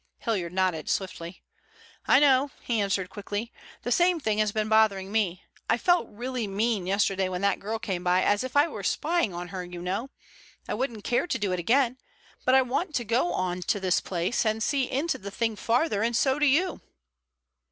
Hilliard nodded swiftly. "I know," he answered quickly. "The same thing has been bothering me. I felt really mean yesterday when that girl came by, as if I were spying on her, you know. I wouldn't care to do it again. But I want to go on to this place and see into the thing farther, and so do you."